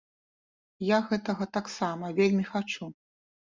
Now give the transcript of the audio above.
Я гэтага таксама вельмі хачу.